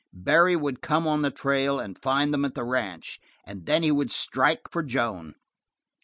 Barry would come on the trail and find them at the ranch, and then he would strike for Joan.